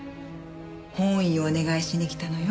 翻意をお願いしに来たのよ。